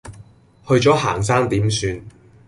去咗行山點算？